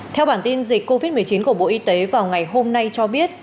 theo bản tin dịch covid một mươi chín của bộ y tế vào ngày hôm nay cho biết